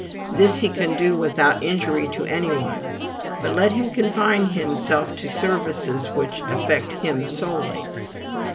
This he can do without injury to any one: but let him confine himself to services which affect him solely.